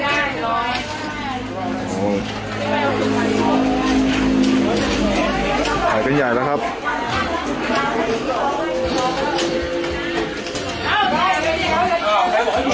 โหอ๋อโหมางี้เอาออกมาเลยหล่อ